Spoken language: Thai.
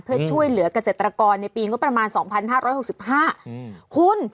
เพื่อช่วยเหลือกเกษตรกรในปีงบประมาณ๒๕๖๕คุณ